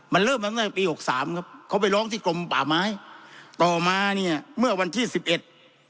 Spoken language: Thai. มันเริ่มมาตั้งแต่ปีหกสามครับเขาไปร้องที่กรมป่าไม้ต่อมาเนี่ยเมื่อวันที่สิบเอ็ด